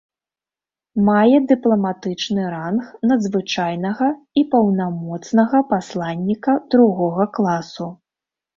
Мае дыпламатычны ранг надзвычайнага і паўнамоцнага пасланніка другога класу.